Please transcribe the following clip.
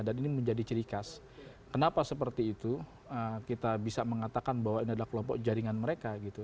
ini menjadi ciri khas kenapa seperti itu kita bisa mengatakan bahwa ini adalah kelompok jaringan mereka gitu